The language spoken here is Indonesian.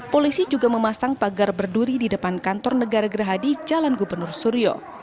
polisi juga memasang pagar berduri di depan kantor negara gerahadi jalan gubernur suryo